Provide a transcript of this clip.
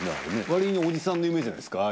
割におじさんの夢じゃないですか？